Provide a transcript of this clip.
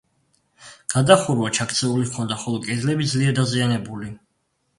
გადახურვა ჩაქცეული ჰქონდა, ხოლო კედლები ძლიერ დაზიანებული.